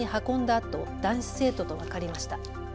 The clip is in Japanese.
あと男子生徒と分かりました。